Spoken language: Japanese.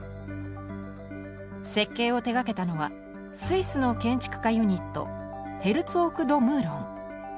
設計を手がけたのはスイスの建築家ユニットヘルツォーク＆ド・ムーロン。